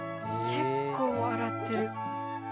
結構洗ってる。